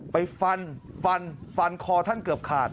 ไปฟันฟันฟันคอท่านเกือบขาด